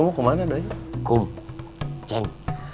mau beli rotan